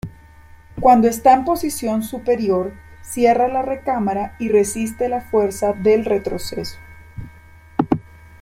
Cuando está en posición superior, cierra la recámara y resiste la fuerza del retroceso.